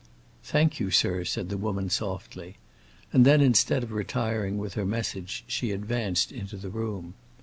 "Thank you, sir," said the woman, softly; and then, instead of retiring with her message, she advanced into the room.